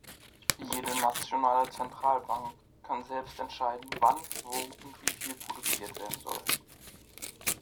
Jede nationale Zentralbank kann selbst entscheiden, wann, wo und wieviel produziert werden soll.